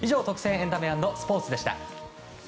エンタメ＆スポーツでした。